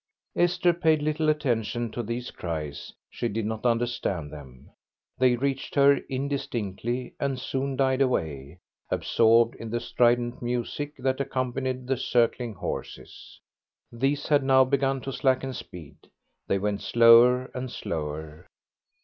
Esther paid little attention to these cries; she did not understand them; they reached her indistinctly and soon died away, absorbed in the strident music that accompanied the circling horses. These had now begun to slacken speed.... They went slower and slower.